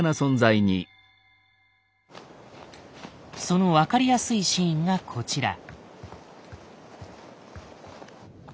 その分かりやすいシーンがこちら。